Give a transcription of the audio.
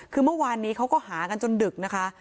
คือเมื่อวานนี้เขาก็หากันจนดึกนะคะ